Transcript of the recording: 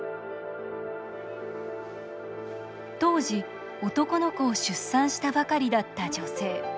当時、男の子を出産したばかりだった女性。